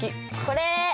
これ！